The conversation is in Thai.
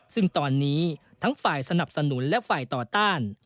ซึ่งตอนนี้ทั้งฝ่ายสนับสนุนและฝ่ายต่อต้าน